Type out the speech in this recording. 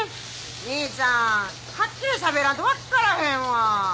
兄ちゃんはっきりしゃべらんと分っからへんわ！